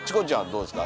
どうですか？